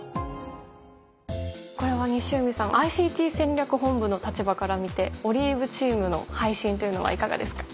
これは西海さんＩＣＴ戦略本部の立場から見てＯＬＩＶＥチームの配信というのはいかがですか？